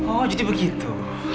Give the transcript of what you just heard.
oh jadi begitu